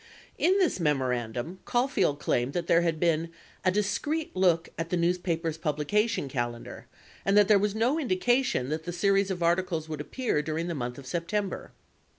93 In this memoran dum, Caulfield claimed that there had been "a discreet look at the news paper's publication calendar," and that there was no indication that the series of articles would appear during the month of September.